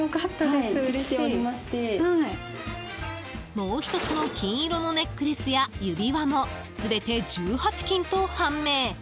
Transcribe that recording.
もう１つの金色のネックレスや指輪も全て１８金と判明。